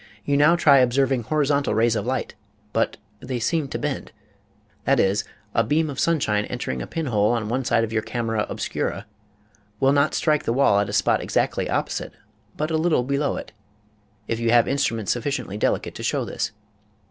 You now try observing horizontal rays of light but they seem to bend ; that ia, a beam of sunshine entering a pinhole on one side of your camera obscura will not strike the wall at a spot exactly opposite but a little below it, if you have instruments sufficiently delicate to show this.